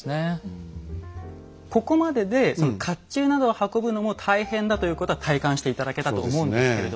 ここまででその甲冑などを運ぶのも大変だということは体感して頂けたと思うんですけれども。